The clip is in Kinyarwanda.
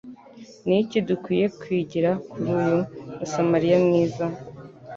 Niki dukwiye kwigira kuri uyu musamariya mwiza?